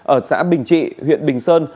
ở xã bình trị huyện bình sơn